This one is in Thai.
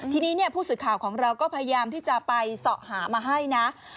ทีนี้ผู้สื่อข่าวของเราก็พยายามที่จะไปเสาะหามาให้นะ